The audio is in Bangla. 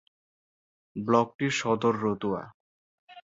ব্লকটির সদর রতুয়া।